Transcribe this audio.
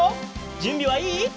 じゅんびはいい？